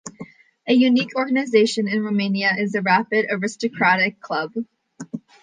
A unique organization in Romania is the Rapid Aristocratic Club.